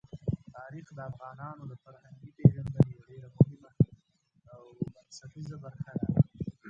تاریخ د افغانانو د فرهنګي پیژندنې یوه ډېره مهمه او بنسټیزه برخه ده.